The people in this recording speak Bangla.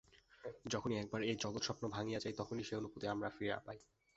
যখনই একবার এই জগৎস্বপ্ন ভাঙিয়া যায়, তখনই সেই অনুভূতি আমরা ফিরিয়া পাই।